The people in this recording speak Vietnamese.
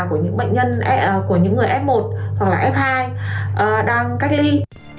của những bệnh nhân của những người f một hoặc là f hai đang cách ly